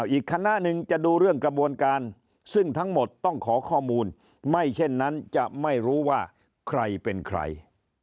อีกคณะหนึ่งจะดูเรื่องกระบวนการซึ่งทั้งหมดต้องขอข้อมูลไม่เช่นนั้นจะไม่รู้ว่าใครเป็นใคร